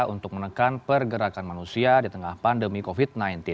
untuk menekan pergerakan manusia di tengah pandemi covid sembilan belas